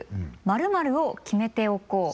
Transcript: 「○○を決めておこう！」。